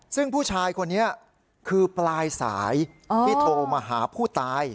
ซึ่งผู้ชายคนนี้คือปลายสายที่โทรมาหาผู้ตาย